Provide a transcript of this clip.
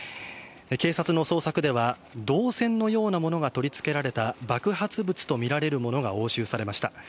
警察の捜索では、銅線のようなものが取り付けられた爆発物と見られるものが押収されました。